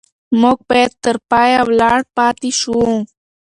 موږ باید تر پایه ولاړ پاتې شو.